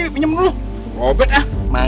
aduh hampir ada ketahuan